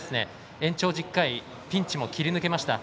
延長１０回ピンチも切り抜けました。